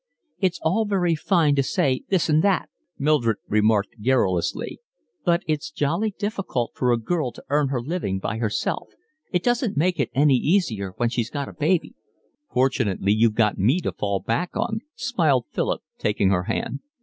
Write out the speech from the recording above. "It's all very fine to say this and that," Mildred remarked querulously, "but it's jolly difficult for a girl to earn her living by herself; it doesn't make it any easier when she's got a baby." "Fortunately you've got me to fall back on," smiled Philip, taking her hand.